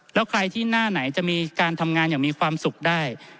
แล้วใครที่หน้าไหนจะมีการทำงานอย่างมีความสุขได้